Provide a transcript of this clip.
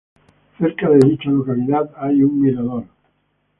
Cerca de dicha localidad hay un mirador.